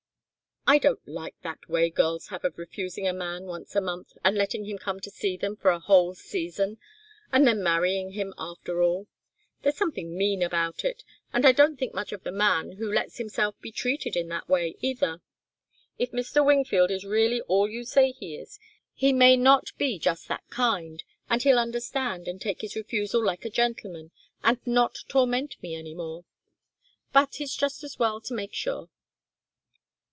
I don't like that way girls have of refusing a man once a month, and letting him come to see them for a whole season, and then marrying him after all. There's something mean about it and I don't think much of the man who lets himself be treated in that way, either. If Mr. Wingfield is really all you say he is, he may not be just that kind, and he'll understand and take his refusal like a gentleman, and not torment me any more. But it's just as well to make sure."